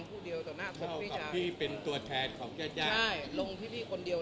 น้ำหลงเป็นเป็นคนเดียว